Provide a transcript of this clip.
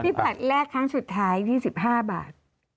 ผัดแรกครั้งสุดท้าย๒๕บาท